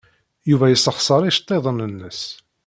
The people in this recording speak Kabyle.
Yuba yessexṣer iceḍḍiḍen-nnes.